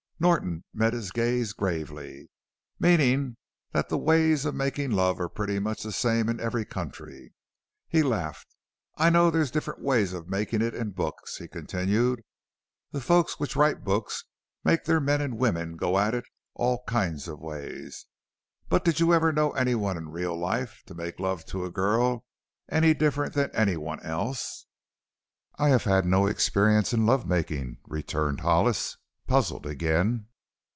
Norton met his gaze gravely. "Meanin' that the ways of makin' love are pretty much the same in every country." He laughed. "I know there's different ways of makin' it in books," he continued; "the folks which write books make their men an' women go at it all kinds of ways. But did you ever know anyone in real life to make love to a girl any different than anyone else?" "I have had no experience in love making," returned Hollis, puzzled again.